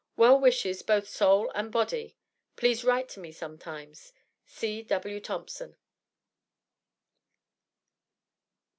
Well wishes both soul and body. Please write to me sometimes. C.W. THOMPSON.